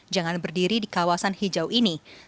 jangan berdiri di kawasan hijau ini